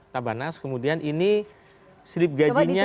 tabanas kemudian ini slip gajinya